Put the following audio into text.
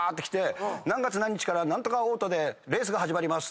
「何月何日から何とかオートでレースが始まります。